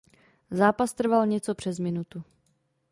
Zápas trval něco přes minutu.